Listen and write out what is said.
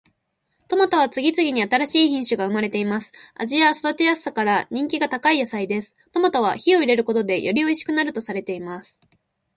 トマトは次々に新しい品種が生まれています。味や育てやすさから人気が高い野菜です。トマトは火を入れることでよりおいしくなるとされています。